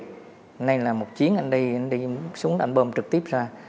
hôm nay là một chiến anh đi anh đi xuống anh bơm trực tiếp ra